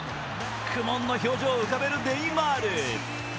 苦もんの表情を浮かべるネイマール。